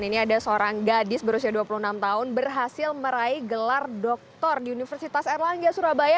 ini ada seorang gadis berusia dua puluh enam tahun berhasil meraih gelar doktor di universitas erlangga surabaya